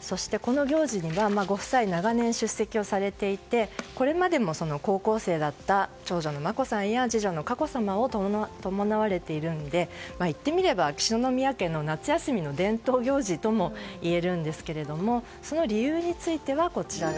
そして、この行事にはご夫妻は長年出席されていてこれまでも高校生だった長女の眞子さんや次女の佳子さまを伴われているので、言ってみれば秋篠宮家の夏休みの伝統行事ともいえるんですが理由についてはこちら。